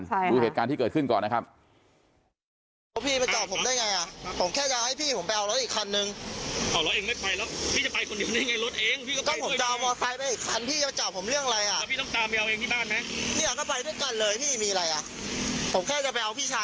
ดูเหตุการณ์ที่เกิดขึ้นก่อนนะครับ